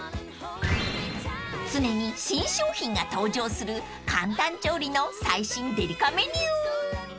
［常に新商品が登場する簡単調理の最新デリカメニュー］